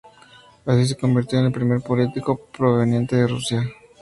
Así se convirtió en el primer político proveniente de Rusia.